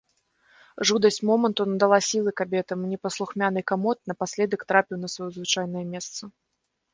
Жудасць моманту надала сілы кабетам, і непаслухмяны камод напаследак трапіў на сваё звычайнае месца.